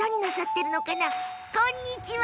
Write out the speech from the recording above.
こんにちは。